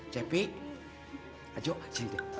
cepi ajo sini deh